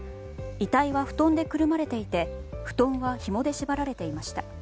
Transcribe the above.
遺体は布団でくるまれていて布団はひもで縛られていました。